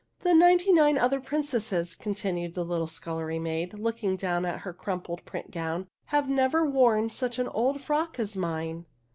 " The ninety nine other princesses," con tinued the little scullery maid, looking down at her crumpled print gown, " have never worn such an old frock as mine